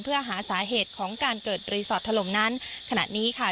เพื่อหาสาเหตุของการเกิดรีสอร์ทถล่มนั้นขณะนี้ค่ะ